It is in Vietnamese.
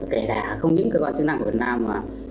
kể cả không những cơ quan chức năng của việt nam mà